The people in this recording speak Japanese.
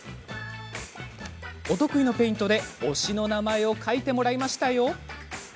お得意のペイントで推しの名前を書いてもらいました。